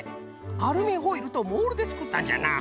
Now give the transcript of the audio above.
アルミホイルとモールでつくったんじゃな。